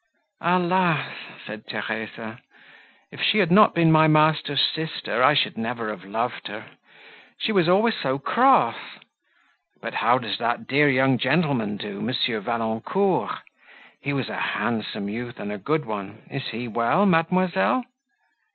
"Alas!" said Theresa, "if she had not been my master's sister, I should never have loved her; she was always so cross. But how does that dear young gentleman do, M. Valancourt? he was a handsome youth, and a good one; is he well, mademoiselle?"